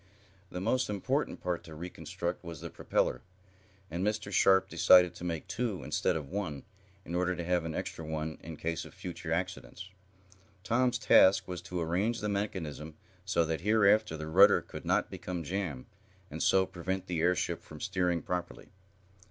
The most important part to reconstruct was the propeller, and Mr. Sharp decided to make two, instead of one, in order to have an extra one in case of future accidents. Tom's task was to arrange the mechanism so that, hereafter, the rudder could not become jammed, and so prevent the airship from steering properly.